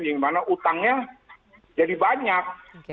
dimana utangnya jadi banyak